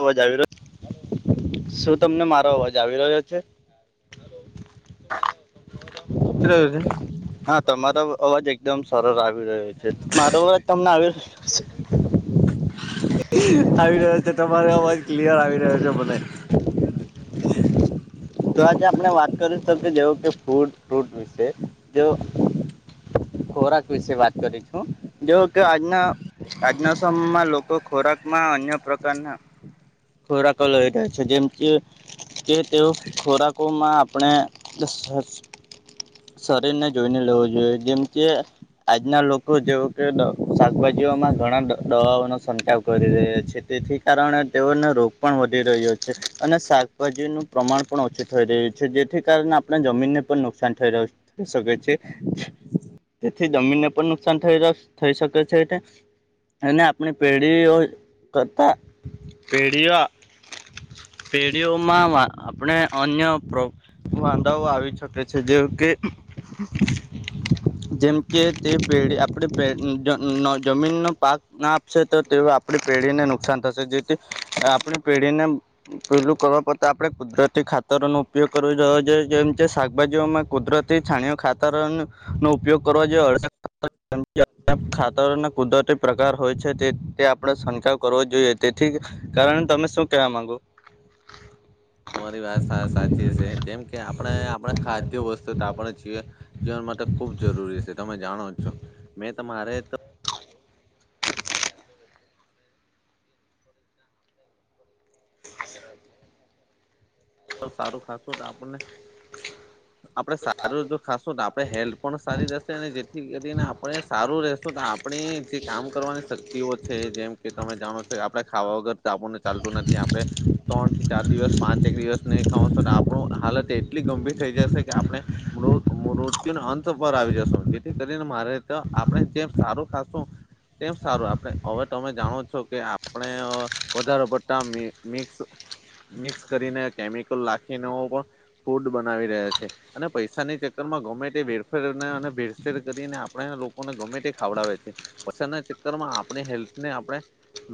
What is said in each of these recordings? અવા આવી્યો શું તમને મારો અવાજ આવી રહ્યો છે? [unintelligible] ત હા તમારો અવાજ એકદમ સરળ આવી રહ્યો છે મારો અવાજ તમને આવી આવી રહ્યો છે તમારો અવાજ ક્લિયર આવી રહ્યો છે મને. તો આજે આપણે વાત કરી તો કે જેવ કે ફ્રૂટ ફ્રૂટ વિશે જે ખોરાક વિશે વાત કરી છું? જેવ કે આજના આજના સમયમાં લોકો ખોરાકમાં અન્ય પ્રકારના ખોરાખ લય રહયા છે જેમકે કે તેઓ ખોરાકોમાં આપણે દસ હસ શરીર ને જોઈને લેવું જોઈએ જેમ કે આજના લોકો જેવ કે શાકભાજીઓમાં ઘણા દ દવાઓનો સંચાવ કરી રહ્યા છે તેથી કારણે તેઓને રોગ પણ વધી રહ્યો છે અને શાકભાજીનું પ્રમાણ પણ ઓછું થઈ રહ્યું છે જેથી કારણે આપણા જમીનને પણ નુકસાન થઈ થઈ શકે છે તેથી જમીનને પણ નુકસાન થઈ થઈ શકે છે. એને આપણી પેઢીઓ કરતા પેઢીઓ પેઢીઓમાં વા આપણે અન્ય પ્રો વાંધાઓ આવી શકે છે જેવ કે જેમ કે તે પેઢી આપણે પે નો જમીનનો પાક ના અસે તો તેઓ આપણી પેઢીને નુકસાન થશે જેથી આપણી પેઢીને પેલું કરવા પતા આપડે કુદરત થી ખાતરોનો ઉપયોગ કરવો જો જોએ જેમ શાકભાજીઓમાં કુદરતી છાણીઓ ખાતરન નો ઉપયોગ કરવો જોઈએ [unintelligible] ખાતરને કુદરતી પ્રકાર હોય છે તે તે આપડે શંકાવ કરવો જોઈએ તેથી કારણ તમે શું કેવા માંગો? તમારી વાત સાવ સાચી છે જેમ કે આપણે આપણે ખાદ્ય વસ્તુ તો આપણે છીએ. જીવન માટે ખુબ જરૂરી છે તમે જાણો છો મેં તમારે તો બઉ સારું ખાસું તો આપણને આપડણે સારું જો ખાસું તો આપણે હેલ્થ પણ સારી રહેશે અને જેથી કરીને આપણે સારું રે શું તો આપણે જે કામ કરવાની શક્તિઓ છે જેમ કે તમે જાણો છો કે આપડણે ખાવા વગર આપણને ચાલતું નથી આપડણે ત્રણ થી ચાર દિવસ પાંચ એક દિવસ નહી ખાવ છો તો આપણું હાલત એટલી ગંભીર થઈ જશે કે આપડણે મૃ મૃત્યુને અંત પર આવી જશું જેથી કરીને મારે ત્યાં આપણે જેમ સારું ખાસું તેમ સારું આપણે હવે તમે જાણો જ છો કે આપણે વધારે પડતા મિ મિક્સ મિક્સ કરીને કેમિકલ લખીને ઓ પણ ફૂડ બનાવી રહ્યા છે. અને પૈસાની ચક્કર માં ગમે તે વેરફેરને અને ભેરફેર કરીને આપણા લોકોને ગમે તે ખાવડાવે છે પછના ચક્કરમાં આપડે હેલ્થને આપણે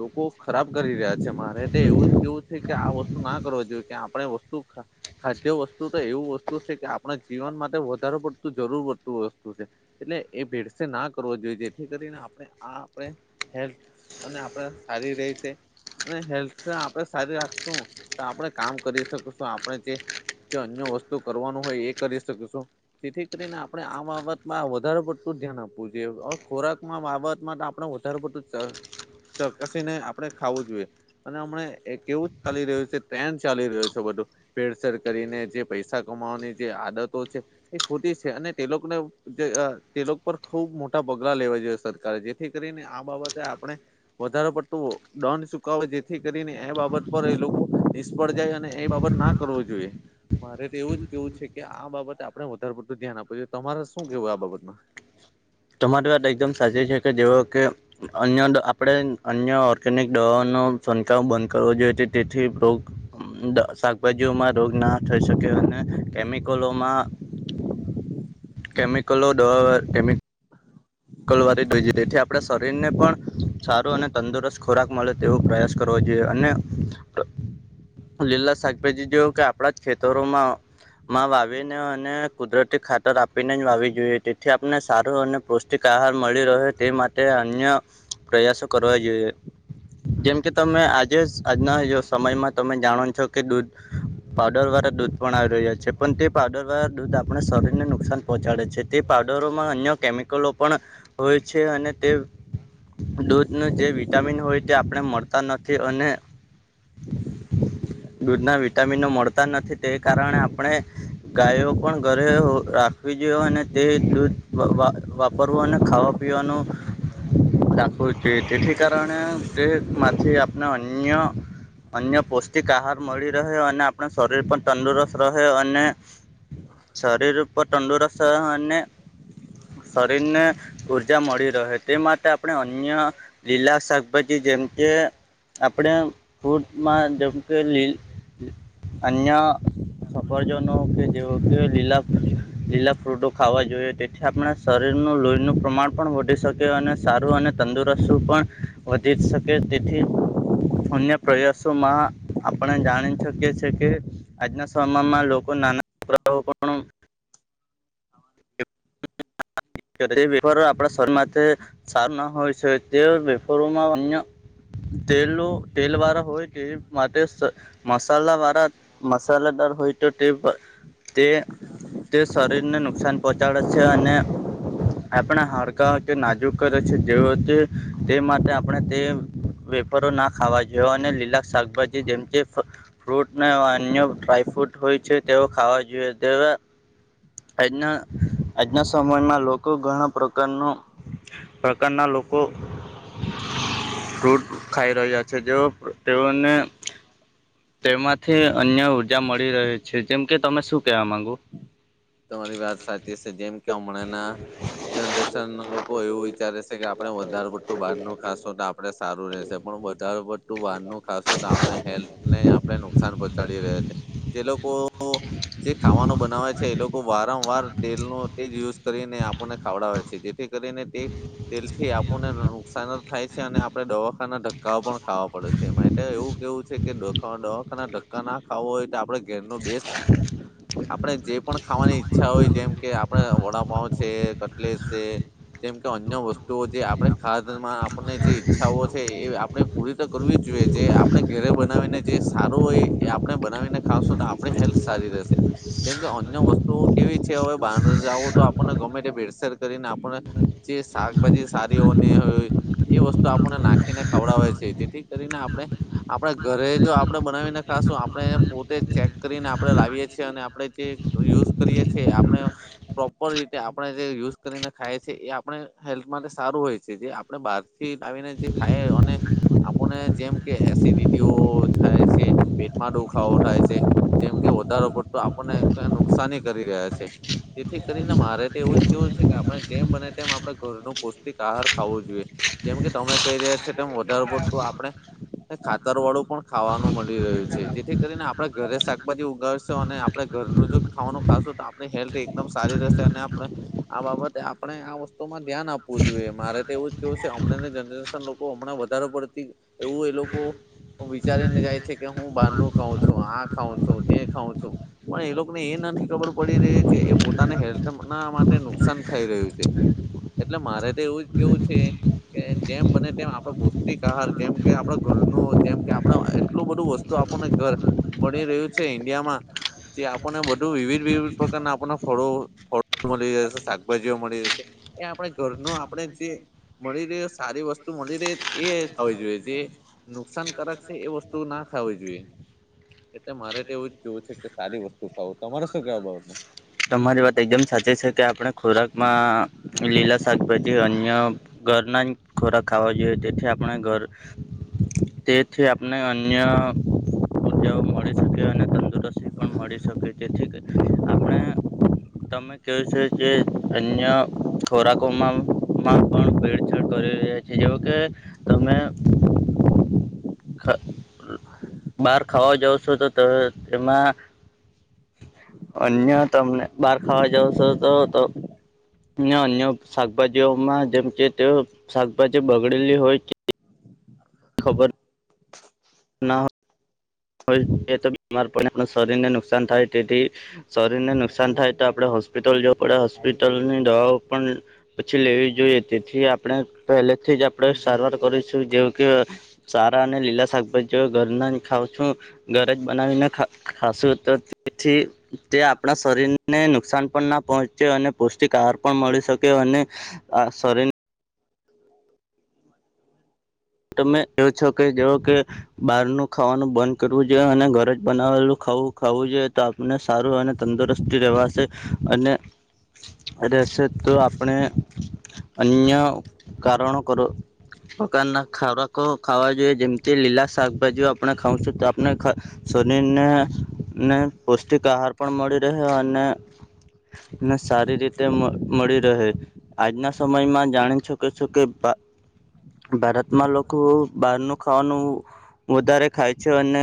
લોકો ખરાબ કરી રહ્યા છે મારે તે એવું જ કેવું છે કે આ વસ્તુ ના કર જોઈએ કે આપ ડે વસ્તુ ખા ખાદ્ય વસ્તુ તો એવું વસ્તુ છે કે, આપણા જીવન માટે વધારે પડતું જરૂર પડતું વસ્તુ છે. એટલે એ ભેડસેડ ના કરવો જોઈએ, જેથી કરીને આપણે આ આપણે હેલ્થ અને આપડા સારી રેય છે. અને હેલ્થ આપણે સારી રાખશું, તો આપણે કામ કરી શકીશું આપણે જે જે અન્ય વસ્તુ કરવાનું હોય એ કરી શકીશું. જેથી કરીને આપણે આ બાબતમાં વધારે પડતું ધ્યાન આપવું જોઈએ, અવે ખોરાકમાં બાબતમાં તો આપણે વધ ધારે પડતું ચાલ ચકાસીને આપડે ખાવું જોઈએ અને હમણાં એ કેવું ચાલી રહ્યું છે ટ્રેન્ડ ચાલી રહ્યો છે બધું ભેડસેડ કરીને જે પૈસા કમાવાની જે આદતો છે. એ ખોટી છે અને તેલોકને જે અ તેલોક પર ખૂબ મોટા પગલાં લેવા જોઈએ સરકારે જે થી કરીને આ બાબતે આપણે વધારે પડતો દંડ ચુકાવવો જેથી કરીને એ બાબત પર એલોકો નિષ્ફળ જાય અને એ બાબત ના કરવો જોઈએ. મારે તો એવું જ કેવું છે કે આ બાબતે આપડે વધારે બધું ધ્યાન આપવું જોઈએ, તમારે શું કેવું આ બાબતમાં? તમારી વાત એકદમ સાચી છે કે, જેવો કે અન્ય આપડે અન્ય ઓર્ગેનિક દવાનો. છનકાવ બંધ કરવો જોઈએ, તે-તેથી રોગ અમ-દ-શાકભાજીઓમાં રોગ ના થઈ શકે અને ને કેમિકલોમાં. કેમિકલો દવાવાર કેમિ [inaudible] કલવારી દઈએ, તેથી આપણે શરીર ને પણ સારો અને તંદુરસ્ત ખોરાક મળે તેવો પ્રયાસ કરવો જોઈએ અને ટ લીલા શાકભાજી જો કે આપડાં જ ખેતરોમાં માં વાવીને અને કુદરતી ખાતર આપીને જ વાવવી જોઈએ તેથી આપ ને સારું અને પૌષ્ટિક આહાર મળી રહે, તે માટે અન્ય પ્રયાસો કરવા જોઈએ. જેમ કે, તમે આજે જ આજના જો સમયમાં તમે જાણો છો કે દૂધ પાવડરવાળા દૂધ પણ આવી રહ્યા છે પણ, તે પાવડરવાળા દૂધ આપણે શરીરને નુકસાન પોંચાડે છે, તે પાવડરોમાં અન્ય કેમિકલો પણ હોય છે અને તે દૂધનું જે વિટામિન હોય, તે આપણે મળતા નથી અને દૂધના વિટામિનો મળતા નથી, તે કારણે આપણે ગાયો પણ ઘરે હો-રાખવી જોઈએ, અને તે દૂધ વ-વા-વા પરવું અને ખાવા પીવાનું રાખવું જોઈએ તેથી. કારણે તે તેમાંથી આપણે અન્ય અન્ય પૌષ્ટિક આહાર મળી રહે અને આપણા શરીર પણ તંદુરસ્ત રહે, અને શરીર ઉપર તંદુરસ અને શરીરને ઊર્જા મળી રહે તે માટે આપણે અન્ય લીલા શાકભાજી જેમ કે આપડે ફ્રૂટમાં જેમ કે લીલ અન્ય સફરજનો કે જેઓ કે લીલા લીલા ફ્રૂટો ખાવા જોઈએ તેથી, આપણે શરીરનું લોઈનું પ્રમાણ પણ વધી શકે અને સારું અને તંદુરસું પણ વધી જ શકે, તેથી અન્ય પ્રયાસોમાં આપણે જાણી શકીએ છે કે આજના સમયમાં લોકો નાના પ્રલોભનો તે વેફર આપણા શરીર માટે સારા ના હોય છે, તેઓ વેફરોમાં અન્ય તેલો તેલ વાળા હોય કે માટે સ મસાલાવાળા મસાલાદાર હોય તો તે પ-તે તે શરીર ને નુકસાન પોચાડે છે અને આપણા હાડકાં કે નાજુક કરે છે, જેઓ તે માટે આપણે તે વેફરો ના ખાવા જોઈએ અને લીલા શાકભાજી જેમ કે ફકત ફ્રૂટ ને અન્ય ડ્રાયફ્રૂટ હોય છે, તેઓ ખાવા જોઈએ દવા આજના આજના સમયમાં લોકો લોકો ઘણા પ્રકારનો પ્રકારના લોકો. ફ્રૂટ ખાઈ રહ્યા છે જેઓ તેઓને તેમાંથી અન્ય ઉર્જા મળી રહે છે જેમ કે તમે શું કેવા માંગો, તમારી વાત સાચી છે જેમ કે હમણાં ના જનરેશનના લોકો એવું વિચારે છે કે આપણે વધારે પડું બાારનું ખાંશો તો આપણે સારું રહેશે પણ વધારે પડતું વાહનું ખશું આપણે હેલ્થ ને આપણે નુકસાન પહોચાડી રહ્યા છે. જે લોકો જે ખાવાનો બનાવે છે. છે એ લોકો વારમ વાર તેલ ન તે યુઝ કરીને આપણને ખાવડાવે છે જેથી કરીને તે તેલથી આપણને નુકસાન જ થાય છે અને આપણે દવાખાના ધક્કા પણ ખાવા પડે છે માટે એવું કેવું છે કેાના ધક્કા ના ખાવો હોય આપણે. બે આપણે જે. પણ ખાવાની ઈચ્છા હોય જેમ કે આપડ વડાપાવ છે, કટલેશ છે. જેમ કે અન્ય વસ્તુઓ જે આપણે ખાદમાં આપને જે ઈચ્છાઓ છે એ આપણે પૂરી તો કરવી જ જોઈએ જે આપણે ઘેરે બનાવીને જે સારું હોય એ આપણે બનાવીને ખાવશો તો આપ હેલ્થ સારી રહેશે, અન્ય વસ્તુઓ કેવી છે હવે બહાર જઓ તો આપણને ગમે તે ભેરસેર કરીને આપને, જે શાકભાજી સારીઓને હો. એ વસ્તુ આપણને નાખીને ખવડાવે છે જેથી કરીને આપણે આપડ ઘરે જો આપણે બનાવીને ખાશું આપણે પોતે ચેક કરીને આપણે લાવીએ છીએ અને આપણે જે યુઝ કરીએ છીએ આપણે પ્રોપર રીતે આપણે જે યુઝ કરીને ખાયએ એ આપણે હેલ્થ માટે સારું હોય છે જે આપણે બહારથી આવી આવીને જે ખાય અને આપણને જેમ કે એસિડિટીઓ થાય છે, પેટમાં દુખાવો થાય છે, જેમ કે વધારો પડતો આપણને કઈ નુકસાની કરી રહ્યા છે. તેથી કરીને મારે તો એવું જ કેવું છે કે આપણે જેમ બને તેમ આપણે ઘરનો પૌષ્ટિક આહાર ખાવો જોઈએ. જેમ કે તમે કહી રહ્યા છે તેમ વધારે પડતુ આપણે ખાતર વાળું પણ ખાવાનું મળી રહ્યું છે જેથી કરીને આપડે ઘરે શાકભાજી ઉગાવશો અને આપણે ઘરનું જો ખાવાનું ખાશું તો આપણી હેલ્થ એકદમ સારી રહેશે અને આપણે આ બાબતે આપણે આ વસ્તુ માં ધ્યાન આપવું જોઈએ મારે તો એવું જ કેવું છે હમણાં જનરેશન લોકો હમણાં વધારે પડતી એવું એ લોકો. હ વિચારીને જાય છે કે હું બહારનું ખાઉં છું, આ ખાઉં છું, તે ખાઉં છું, પણ એ લોકોને એ નથી ખબર પડી રહી કે એ પોતાને હેલ્થ ના માટે નુકસાન થઈ રહ્યું છે. એટલે મારે તો એવું જ કેવું છે. કે જેમ બને તેમ આપડે પૌષ્ટિક આહાર જેમ કે આપડે ઘર ન જેમ કે આપડા એટલું બધું વસ્તુ તો આપણને ઘર બની રહ્યું છે ઈન્ડિયામાં જે આપણને બધું વિવિધ વિવિધ પ્રકારના આપ ફળો ફળો મળી જશે શાકભાજીઓ મળી રહેશે એ આપણે ઘરનું આપણે જે મળી રહેયો સારી વસ્તુ મળી ર એ ખાવી જોઈએ જે નુકસાનકારક છે એ વસ્તુ ના ખાવી જોઈએ એટલે મારે તો એવું જ કેવું છે કે સારી વસ્તુ ખાવ તમારે શું કેવા બાબતનું. તમારી વાત એકદમ સાચી છે કે આપણે ખોરાકમાં લીલા શાકભાજી અન્ય ઘરના જ ખોરાક ખાવા જોઈએ તેથી આપણે ઘર તેથી આપને અન્ય [inaudible] મળી શકી અને તંદુરસ્તી પણ મળી શકે તેથી કે આપણે તમે કહું છે કે અન્ય ખોરાકોમાંમાં પણ ભેડછેડ કરી રહ્યા છે જેવ કે તમે બાર ખાવા જાવ છો તો તેમાં અન્ય તમને બહાર ખાવા જાવ છો તો અ અન્ય શાકભાજીઓમાં જેમ છે તે શાકભાજી બગડેલી હોય છે. ખબર ના હોય કોઈ રીતે તો બીમાર પડે ને શરીરને નુકસાન થાય તેથી શરીર ને નુકસાન થાય તો આપડે હોસ્પિટલ જવું પડે હોસ્પિટલની દવાઓ પણ પછી લેવી જોઈએ તેથી આપણે પહેલે થી જ આપણે સારવાર કરીશું જેવું કે અ સારા અને લીલા શાકભાજીઓ ઘર ના ન ખાવ શું ઘરે જ બનાવીને ખા ખાશું તો તેથી તે આપણા શરીરને નુકસાન પણ ના પહોંચે અને પૌષ્ટિક આહાર પણ મળી શકે અને અ સોરીન તમે કેવ છો કે જેવો કે બહારનું ખાવાનું બંધ કરવું જોઈએ અને ઘર જ બનાવેલું ખાઉં ખાવું જોઈએ તો અને સારું અને તંદુરસ્તી રહેેવાશે અને અરે શે તો આપણે અન્ય કારણ કરો પ્રકારના ખોરાકો ખાવા જોઈએ જેમ કે લીલા શાકભાજીઓ આપણે ખાઉ છું તો આપણે ખ શરીર ને ને પૌષ્ટિક આહાર પણ મળી રહેયો અને ના સારી રીતે મ મળી રહે આજના સમયમાં જાણી શકો છો કે ભા ભારત માં લોકો બહાર નું ખાવાનું વધારે ખાય છે અને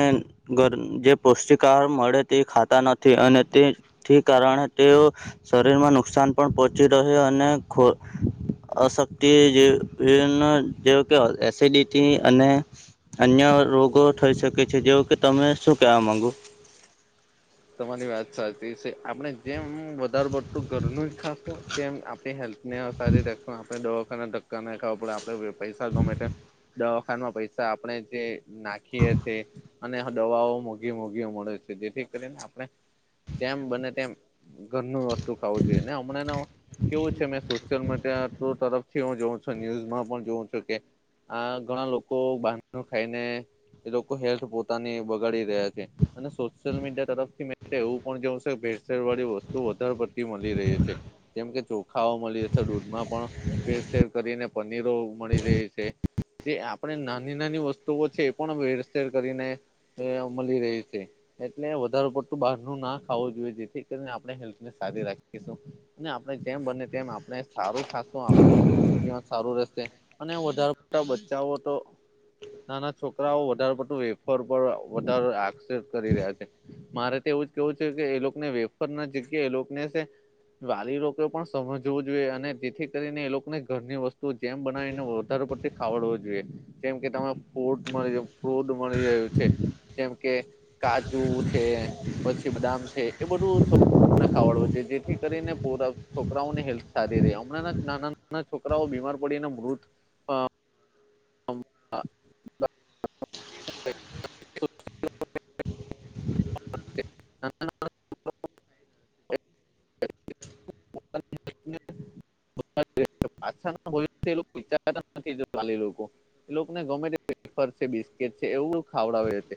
ઘર જે પૌષ્ટિક આહાર મળે તે ખાતા નથી અને તે થી કારણે તેઓ શરીરમાં નુકસાન પણ પહોંચી રહે અને ખો અશક્તિ જે વિભિન જે કે એસિડિટી અને અન્ય રોગો થઈ શકે છે જેવુ કે તમે શું કેવા માંગો તમારી વાત સાચ પીરસે આપણે જેમ વધારે પડતું ઘરનું જ ખાશું તેમ આપણી હેલ્પનેસ સારી રહેશે આપણે દવાખાનાના ધક્કા નઈ ખાવા પડે આપડે પૈસા ગમે તેમ દવા ખાનમાં પૈસા આપણે જે નાખીએ તે અને દવાઓ મોઘી મોઘી મળે છે જેથી કરીને આપણે જેમ બને તેમ ઘરનું વસ્તુ ખાવું જોઈએ ને હમણાં નો કેવું છે મેં સોશિયલ મીડિયા તરફથી હું જોઉં છું ન્યુઝમાં પણ જોઉં છું કે આ ઘણા લોકો બારનું ખાઈને એ લોકો હેલ્થ પોતાની બગાડી રહ્યા છે અને સોશિયલ મીડિયા તરફથી એવું પણ જોવ ભેળસેર વાળી વસ્તુ વધારે પડતી મળી રહી છે. કેમ કે ચોખાઓ મળી જશે દૂધમાં પણ ફેરસેેર કરીને પનીરો મળી રહે છે. જે આપણે નાની નાની વસ્તુઓ છે એ પણ વેરસેર કરીને એ મળી રહી છે એટલે વધાર પડતું બહારનું ના ખાઉં જોઈએ જેથી કરીને આપણે હેલ્થને સારી રાખીશું. ને આપણે જેમ બને તેમ આપણે સારું ખાસું આપણું જ્યાં સારું રહેશે અને વધારે મોટા બચ્ચાઓ તો નાના છોકરાઓ વધારે પડતું વેફર પર વધારે આક્ષેપ કરી રહ્યા છે. મારે તો એવું જ કેવું છે કે એ લોકોને વેફર ના જીગ્યા એ લોકોને સે વાલી લોકો પણ સમજવું જોઈએ અને જેથી કરીને એ લોકોને ઘરની વસ્તુઓ જેમ બનાવીને વધારે પડતી ખાવડવો જોઈએ. જેમ કે તમાર ફૂડ મળી રહે ફ્રૂટ મળી રહ્યું છે જેમ કે કાજું છે પછી બદામ છે એ બધું સ ખાવડવો જોઈએ જેથી કરીને પુરા છોકરાઓની હેલ્થ સારી રહે હમણાં નાના ના છોકરાઓ બીમાર પડીને મૃત અમ આ [unintelligible] [unintelligible] [unintelligible] [unintelligible] પાછા એ વિચારતા નથી નેપાળી લોકો લોકોને ગમે તે પેફર છે બિસ્કીટ છે એવું ખાવડાવે છે.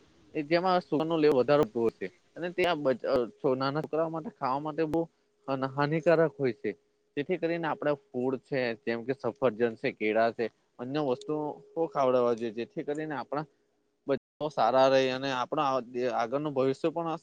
જેમાં સુગરનો લેવ વધારો હોય છે. અને ત્યાં બજ સોનાના કરવા માટે ખાવા માટે બહું હાનિકારક હોય છે. જેથી કરીને આપડે ફૂડ છે જેમ કે સફરજન છે કેળા છે. અન્ય વસ્તુઓ બઉ ખાવડાવવા જોઈએ જેથી કરીને આપણા બધા સારા રહી અને આપણા આગળ નું ભવિષ્ય પણ અસ